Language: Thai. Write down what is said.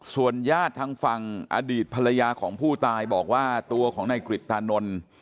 ส่วนญาติทางฝั่งอดีตภรรยาของผู้ตายบอกว่าตัวของนายกริตตานนท์